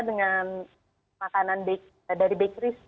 dengan makanan dari bakeries